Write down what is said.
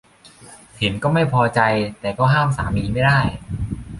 เห็นก็ไม่พอใจแต่ก็ห้ามสามีไม่ได้